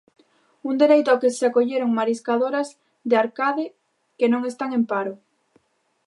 Un dereito ao que se acolleron mariscadoras de Arcade que no están en paro.